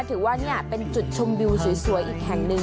ถือว่าเป็นจุดชมวิวสวยอีกแห่งหนึ่ง